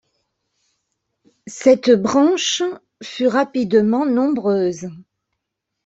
Cette branche fut rapidement nombreuse.